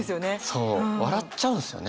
そう笑っちゃうんですよね。